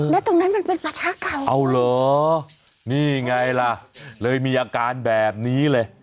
แล้วตรงนั้นมันเป็นประชาเก่าเอาเหรอนี่ไงล่ะเลยมีอาการแบบนี้เลย